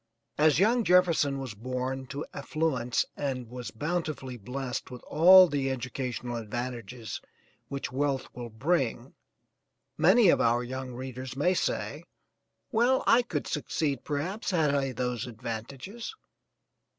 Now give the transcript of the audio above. As young Jefferson was born to affluence and was bountifully blessed with all the educational advantages which wealth will bring, many of our young readers may say well, I could succeed, perhaps, had I those advantages.